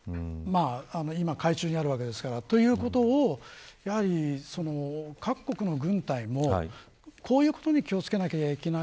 今、海中にあるわけですから。ということを、各国の軍隊もこういうふうに気を付けなければいけない。